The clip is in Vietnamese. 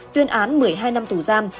tuyên án một mươi hai năm tù giam